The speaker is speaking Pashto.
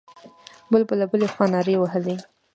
بل به له بلې خوا نارې وهلې.